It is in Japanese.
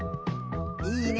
いいね。